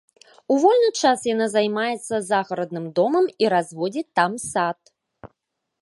У вольны час яна займаецца загарадным домам і разводзіць там сад.